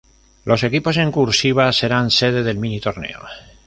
Los equipos en "cursiva" serán sede del mini-torneo.